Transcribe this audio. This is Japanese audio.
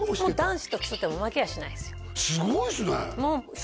男子と競っても負けやしないです